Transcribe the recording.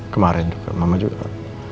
kemarin juga mama juga